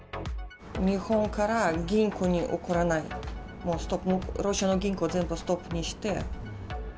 日本から銀行に送れない、もうロシアの銀行、全部ストップにして。